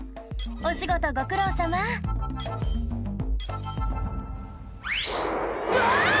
お仕事ご苦労さまうわ！